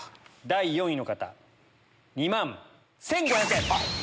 第４位の方２万１５００円！